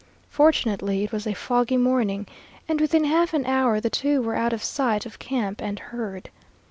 Fortunately it was a foggy morning, and within half an hour the two were out of sight of camp and herd.